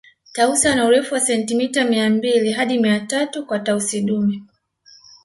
Tausi ana urefu wa sentimeta mia mbili hadi mia tatu kwa Tausi dume